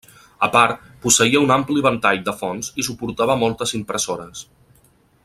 A part, posseïa un ampli ventall de fonts i suportava moltes impressores.